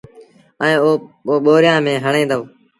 ائيٚݩ پو ٻوريآݩ ميݩ هڻي دو